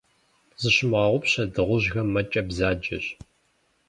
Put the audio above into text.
Зыщумыгъэгъупщэ, дыгъужьхэр мэкӀэ бзаджэщ.